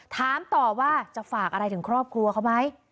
ถามต่อว่าจะฝากอะไรถึงครอบครัวเขาไหม